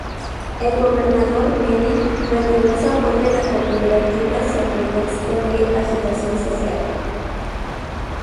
El gobernador Menem retiró su apoyo a la cooperativa so pretexto de "agitación social".